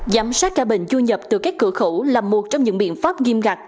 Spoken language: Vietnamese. giám sát ca bệnh du nhập từ các cửa khẩu là một trong những biện pháp nghiêm ngặt